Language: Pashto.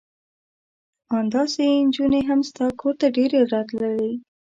ان داسې نجونې هم ستا کور ته ډېرې راتلې.